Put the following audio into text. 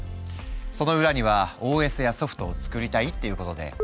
その裏にはＯＳやソフトを作りたいっていうことで「Ｃ言語」が。